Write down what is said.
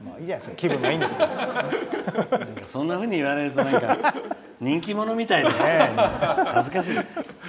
そんなふうに言われるとなんか人気者みたいで恥ずかしい。